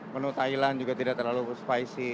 menu thailand juga tidak terlalu spicy